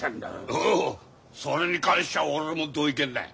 おうそれに関しちゃ俺も同意見だい。